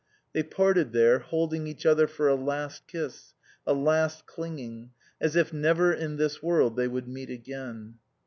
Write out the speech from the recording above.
They parted there, holding each other for a last kiss, a last clinging, as if never in this world they would meet again.